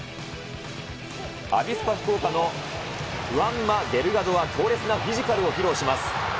アビスパ福岡のフアンマ・デルガドは強烈なフィジカルを披露します。